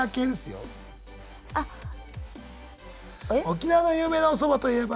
沖縄の有名なおそばといえば？